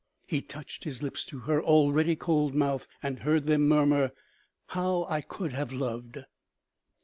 He touched his lips to her already cold mouth, and heard them murmur :" How I could have loved